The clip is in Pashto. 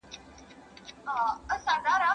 ¬ چي تر ملکه دي کړه، ورکه دي کړه.